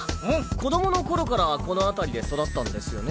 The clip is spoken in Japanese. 子供の頃からこの辺りで育ったんですよね？